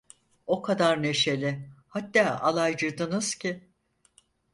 O kadar neşeli, hatta alaycıydınız ki…